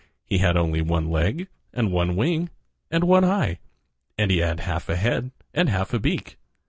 He had only one leg, and one wing, and one eye, and he had half a head and half a beak.